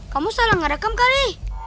kamu salah ngerekam kali